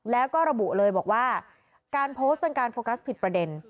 แล้วก็ระบุเลยบอกว่าการโพสต์เป็นการโฟกัสผิดประเด็น